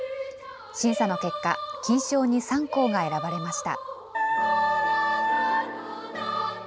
審査の結果、金賞に３校が選ばれました。